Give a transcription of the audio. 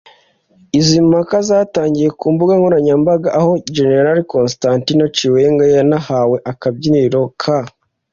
Izi mpaka zatangiriye ku mbunga nkoranyambaga aho General Constantino Chiwenga yanahawe akabyiniriro ka